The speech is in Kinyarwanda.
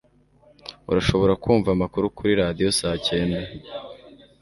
Urashobora kumva amakuru kuri radio saa cyenda